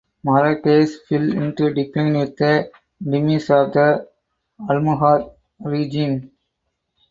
Marrakesh fell into decline with the demise of the Almohad regime.